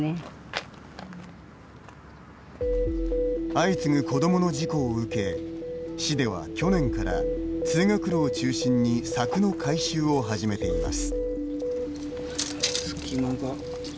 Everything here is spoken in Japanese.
相次ぐ子どもの事故を受け市では去年から、通学路を中心に柵の改修を始めています。